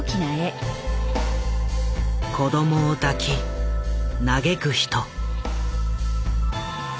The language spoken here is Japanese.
子どもを抱き嘆く人。